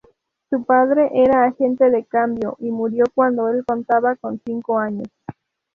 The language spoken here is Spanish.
Su padre era agente de cambio y murió cuando el contaba con cinco años.